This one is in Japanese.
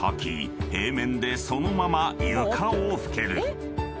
平面でそのまま床を拭ける］